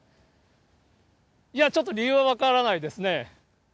いや、ちょっと理由は分からないですね。